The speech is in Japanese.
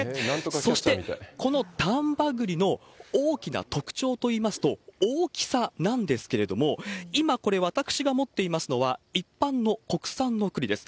そして、この丹波栗の大きな特徴といいますと、大きさなんですけれども、今、これ、私が持っていますのは、一般の国産の栗です。